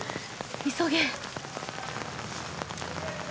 急げ。